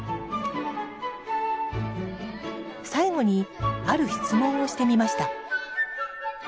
最後にある質問をしてみました